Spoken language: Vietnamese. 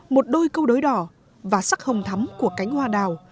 một đôi câu đối đỏ và sắc hồng thắm của cánh hoa đào